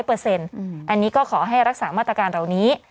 อันนี้ก็ขอให้รักษามาตรการเหล่านี้